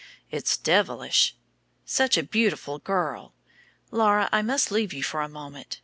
"It's devilish. Such a beautiful girl! Laura, I must leave you for a moment.